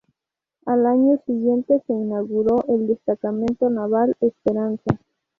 Al año siguiente se inauguró el Destacamento Naval Esperanza.